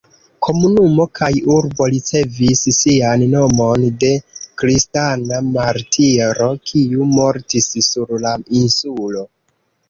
Komunumo kaj urbo ricevis sian nomon de kristana martiro, kiu mortis sur la insulo.